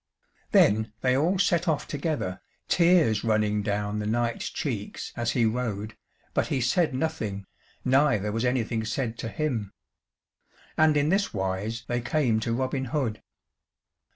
Then they all set off together, tears running down the knight's cheeks as he rode, but he said nothing, neither was anything said to him. And in this wise they came to Robin Hood.